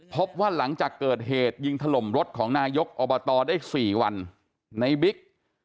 พบว่าหลังจากเกิดเหตุยิงถล่มรถของนายกอบตได้๔วันในบิ๊ก